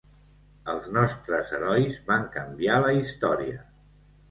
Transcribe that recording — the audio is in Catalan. Els nostres herois van canviar la història.